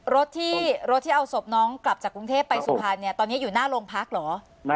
รถที่รถที่เอาศพน้องกลับจากกรุงเทพไปสุพรรณเนี่ยตอนนี้อยู่หน้าโรงพักเหรอ